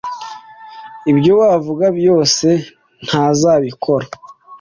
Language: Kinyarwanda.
Ibyo wavuga byose, ntazabikora.